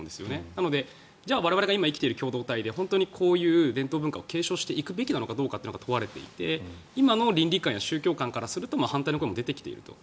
なので、じゃあ我々が今、生きている共同体でこういう伝統文化を継承していくべきなのかというのが問われていて今の倫理観や宗教観からすると反対の声も出てきていると。